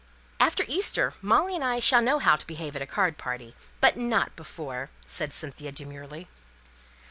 "After Easter, Molly and I shall know how to behave at a card party, but not before," said Cynthia, demurely.